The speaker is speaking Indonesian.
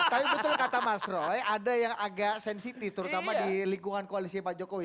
tapi betul kata mas roy ada yang agak sensitif terutama di lingkungan koalisi pak jokowi